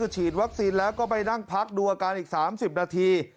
ฉีดวัคซีนแล้วก็ไปนั่งพักดูอาการอีก๓๐นาที